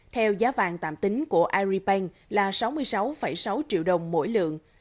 theo giá vàng tạm tính của agribank là sáu mươi sáu sáu triệu đồng mỗi lượng